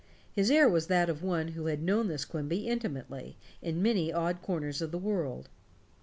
His air was that of one who had known this Quimby intimately, in many odd corners of the world.